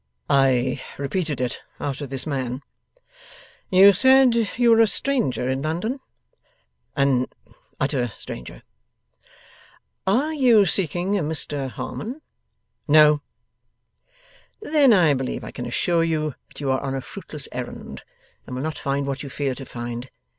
'I repeated it, after this man.' 'You said you were a stranger in London?' 'An utter stranger.' 'Are you seeking a Mr Harmon?' 'No.' 'Then I believe I can assure you that you are on a fruitless errand, and will not find what you fear to find.